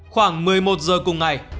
khoảng một mươi một giờ cùng ngày